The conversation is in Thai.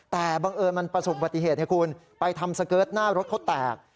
แต่บังเอิญมันประสบบัติเหตุให้คุณไปทำสเกิร์ตหน้ารถเขาแตก